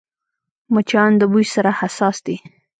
مچان د بوی سره حساس دي